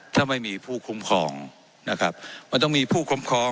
เจ้าหน้าที่ของรัฐมันก็เป็นผู้ใต้มิชชาท่านนมตรี